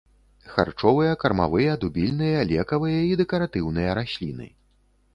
Харчовыя, кармавыя, дубільныя, лекавыя і дэкаратыўныя расліны.